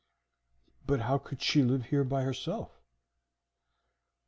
"But how could she live here by herself?"